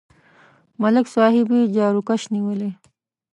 ملک صاحب یې جاروکش نیولی.